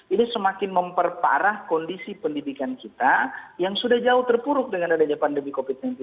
ini semakin memperparah kondisi pendidikan kita yang sudah jauh terpuruk dengan adanya pandemi covid sembilan belas